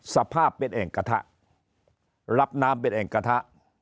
สภาพเป็นแอ่งกระทะรับน้ำเป็นแอ่งกระทะ